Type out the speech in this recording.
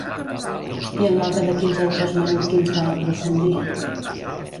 I en l'obra de quins autors menorquins va aprofundir?